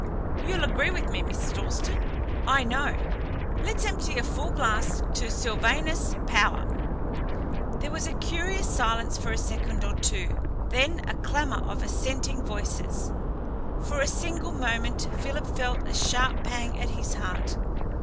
You'll agree with me, Miss Dalstan, I know. Let's empty a full glass to Sylvanus Power!" There was a curious silence for a second or two, then a clamour of assenting voices. For a single moment Philip felt a sharp pang at his heart.